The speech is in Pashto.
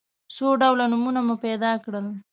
څو ډوله نومونه مو پیدا کړل.